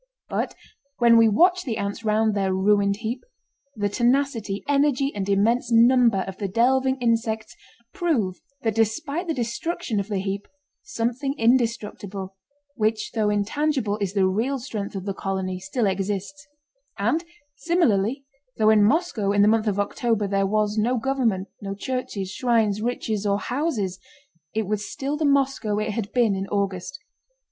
But when we watch the ants round their ruined heap, the tenacity, energy, and immense number of the delving insects prove that despite the destruction of the heap, something indestructible, which though intangible is the real strength of the colony, still exists; and similarly, though in Moscow in the month of October there was no government and no churches, shrines, riches, or houses—it was still the Moscow it had been in August.